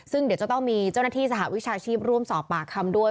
ซึ่งเดี๋ยวจะต้องมีเจ้าหน้าที่สหวิชาชีพร่วมสอบปากคำด้วย